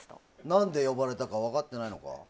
なんで呼ばれたか分かってないのか？